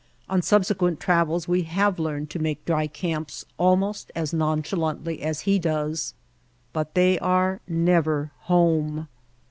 On subsequent trav els we have learned to make dry camps almost as nonchalantly as he does, but they are never home.